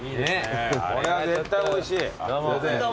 これは絶対おいしい。